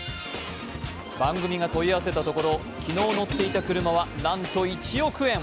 番組が問い合わせたところ、昨日乗っていた車はなんと、１億円。